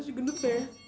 rasanya gendut deh